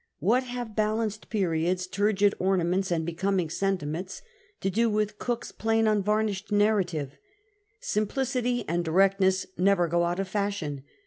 What have balanced periods, tuigid ornaments, and becoming sentiments to do with Cook's 90 CAPTAIN COOK CHAP. plain unvarnished narrative 1 Simplicity and directness never go out of fashion.